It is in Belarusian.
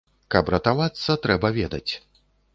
Каб ратавацца трэба ведаць.